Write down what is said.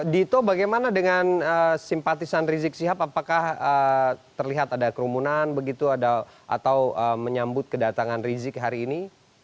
dito bagaimana dengan simpatisan rizik sihab apakah terlihat ada kerumunan begitu atau menyambut kedatangan rizik hari ini